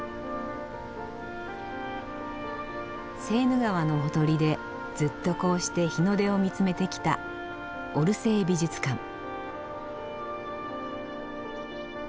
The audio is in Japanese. セーヌ川のほとりでずっとこうして日の出を見つめてきたオルセー美術館。